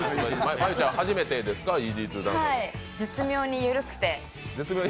絶妙にゆるくて。